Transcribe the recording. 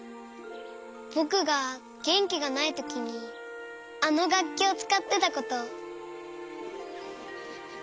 ぼくがげんきがないときにあのがっきをつかってたこと。